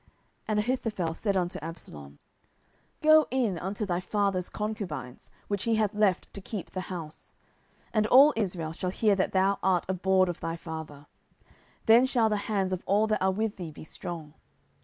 10:016:021 And Ahithophel said unto Absalom, Go in unto thy father's concubines, which he hath left to keep the house; and all Israel shall hear that thou art abhorred of thy father: then shall the hands of all that are with thee be strong.